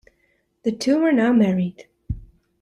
The two are now married.